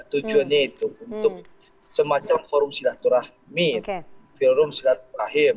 tujuannya itu untuk semacam forum silaturahmi forum silaturahim